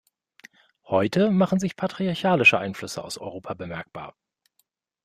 Heute machen sich patriarchalische Einflüsse aus Europa bemerkbar.